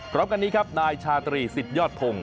พร้อมกันนี้ครับนายชาตรีสิทธิยอดพงศ